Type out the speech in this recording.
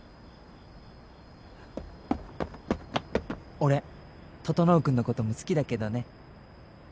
俺整君のことも好きだけどね。